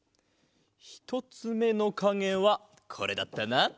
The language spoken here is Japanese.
ひとつめのかげはこれだったな。